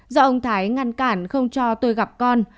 do ông thái ngăn cản không cho tôi gặp con